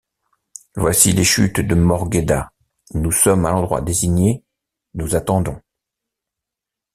Voici les chutes de Morgheda, nous sommes à l’endroit désigné, nous attendons.